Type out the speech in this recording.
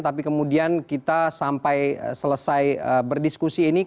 tapi kemudian kita sampai selesai berdiskusi ini